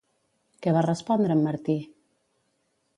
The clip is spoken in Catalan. Què va respondre en Martí?